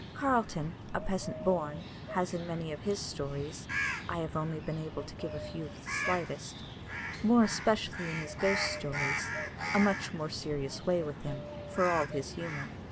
Carleton, a peasant born, has in many of his stories I have been only able to give a few of the slightest more especially in his ghost stories, a much more serious way with him, for all his humour.